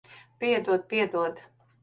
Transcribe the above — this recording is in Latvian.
Piedod. Piedod.